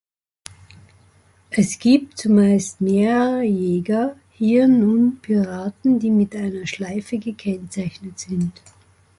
Es gibt zumeist mehrere Jäger, hier nun Piraten, die mit einer Schleife gekennzeichnet sind.